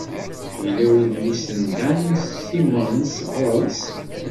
Yella wedlis n Dan Simmons ɣur-s.